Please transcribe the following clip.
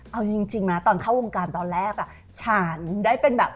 เอาจริงนะตอนเข้าวงการตอนแรกฉันได้เป็นแบบ